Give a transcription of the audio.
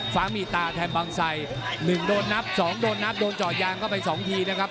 ฟ้ามีตาแทนบางไทยหนึ่งโดนนับสองโดนนับโดนจอดยางเข้าไปสองทีนะครับ